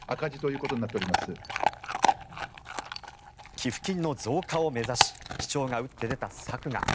寄付金の増加を目指し市長が打って出た策が。